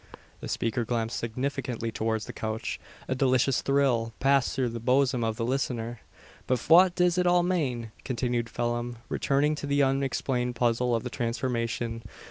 The speaker glanced significantly towards the couch. A delicious thrill passed through the bosom of the listener. "But fwhat diz it all mane?" continued Phelim, returning to the unexplained puzzle of the transformation.